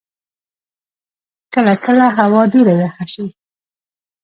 کله کله هوا ډېره یخه شی.